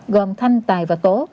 gồm thanh tài và tố